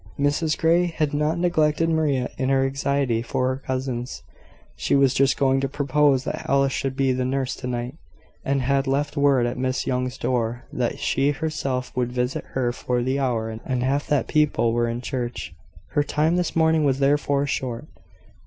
Mrs Grey had not neglected Maria in her anxiety for her cousins. She was just going to propose that Alice should be the nurse to night, and had left word at Miss Young's door that she herself would visit her for the hour and half that people were in church. Her time this morning was therefore short.